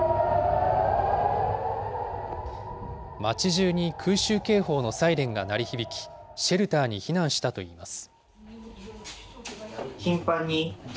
街じゅうに空襲警報のサイレンが鳴り響き、シェルターに避難したといいます。